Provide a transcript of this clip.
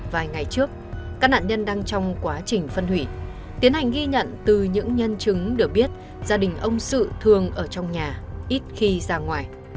vài ngày trước các nạn nhân đang trong quá trình phân hủy tiến hành ghi nhận từ những nhân chứng được biết gia đình ông sự thường ở trong nhà ít khi ra ngoài